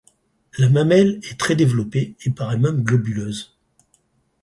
La mamelle est très développée, et paraît même globuleuse.